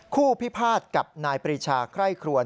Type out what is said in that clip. พิพาทกับนายปรีชาไคร่ครวน